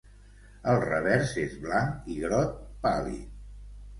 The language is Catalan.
El revers és blanc i groc pàl·lid.